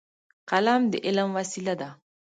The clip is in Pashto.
قلم د علم وسیله ده.